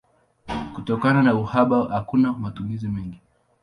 Kutokana na uhaba hakuna matumizi mengi.